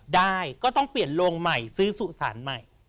ได้ก็ต้องเปลี่ยนโรงใหม่ซื้อสุสานใหม่